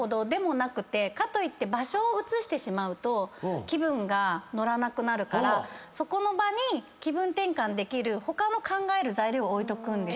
かといって場所を移すと気分が乗らなくなるからそこの場に気分転換できる他の考える材料を置いとくんですよ。